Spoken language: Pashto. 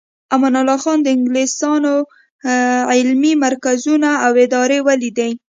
امان الله خان د انګلیسانو علمي مرکزونه او ادارې ولیدې.